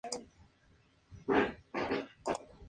Es gracias a Alejandro que el corazón de Emperatriz vuelve a latir.